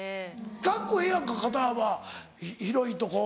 カッコええやんか肩幅広いとこう。